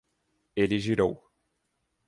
Ele girou